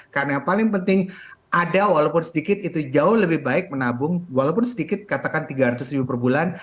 karena yang paling penting ada walaupun sedikit itu jauh lebih baik menabung walaupun sedikit katakan tiga ratus ribu per bulan